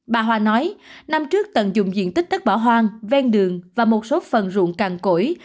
bà hòa nói năm trước tận dụng diện tích tất bỏ hoang ven đường và một số phần ruộng càng cổi